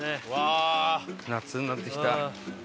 夏になってきた。